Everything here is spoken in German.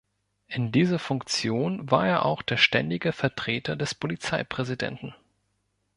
In dieser Funktion war er auch der ständige Vertreter des Polizeipräsidenten.